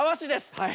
はい！